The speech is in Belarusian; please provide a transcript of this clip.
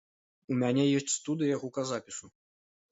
У мяне ёсць студыя гуказапісу.